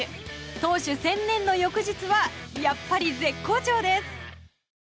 投手専念の翌日はやっぱり絶好調です。